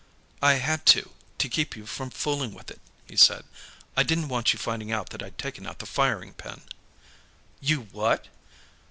"I had to, to keep you from fooling with it," he said. "I didn't want you finding out that I'd taken out the firing pin." "You what?"